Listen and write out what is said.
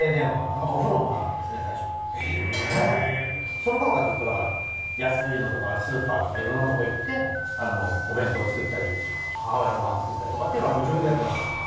その頃からずっとだから安いのとかスーパーとかいろんなとこ行ってお弁当作ったり母親のごはん作ったりとかっていうのは自分でやってました。